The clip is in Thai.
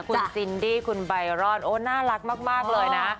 คุณซินดี้คุณไบรอนโอ้น่ารักมากเลยนะ